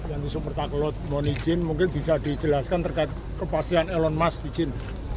yang super taklot mohon izin mungkin bisa dijelaskan terkait kepastian elon musk izin